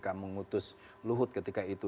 kpk mengutus luhut ketika itu